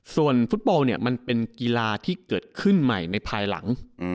ส่วนฟุตบอลเนี่ยมันเป็นกีฬาที่เกิดขึ้นใหม่ในภายหลัง